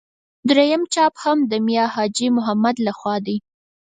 درېیم چاپ هم د میا حاجي محمد له خوا دی.